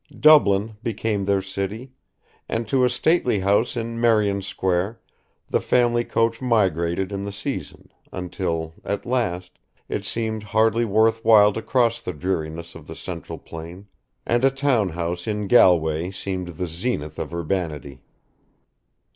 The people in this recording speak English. Dublin became their city, and to a stately house in Merrion Square the family coach migrated in the season, until, at last, it seemed hardly worth while to cross the dreariness of the central plain, and a town house in Galway seemed the zenith of urbanity.